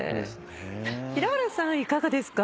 平原さんいかがですか？